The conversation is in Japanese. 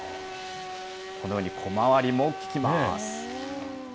このように、小回りも利きます。